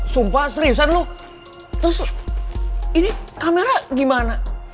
sumpah seriusan lo terus ini kamera gimana